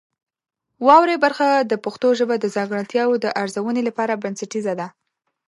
واورئ برخه د پښتو ژبې د ځانګړتیاوو د ارزونې لپاره بنسټیزه ده.